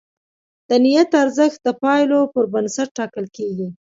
د نیت ارزښت د پایلو پر بنسټ ټاکل کېږي.